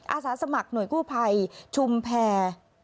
อาสาสมัครหน่วยกู้ภัยชุมแพร